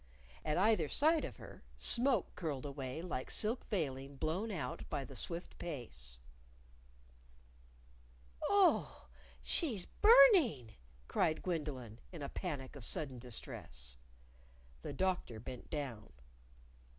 At either side of her, smoke curled away like silk veiling blown out by the swift pace. "Oh, she's burning!" cried Gwendolyn, in a panic of sudden distress. The Doctor bent down.